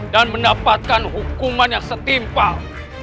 dan mendapatkan hukuman yang setimpal